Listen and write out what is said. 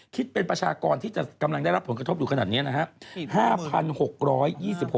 คิดเป็นประชากรที่จะกำลังได้รับผลกระทบอยู่ขนาดนี้นะครับ